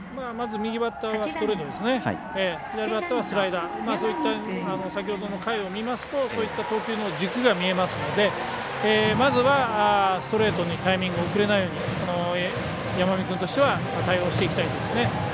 左バッターはスライダーそういった先ほどの回を見ますとそういった投球の軸が見えますのでまずはストレートにタイミングを遅れないように山見君としては対応していきたいですね。